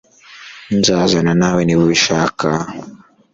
Nzazana nawe niba ubishaka